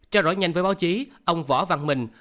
trao đổi nhanh với báo chí ông võ văn mình